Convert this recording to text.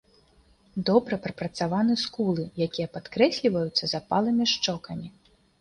Добра прапрацаваны скулы, якія падкрэсліваюцца запалымі шчокамі.